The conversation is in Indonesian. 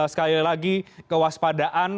sekali lagi kewaspadaan